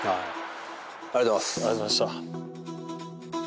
ありがとうございます！